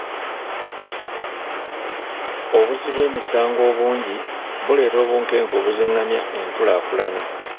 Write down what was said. Obuzzi bw'emisango obungi buleeta obunkenke obuzingamya enkulaakulana.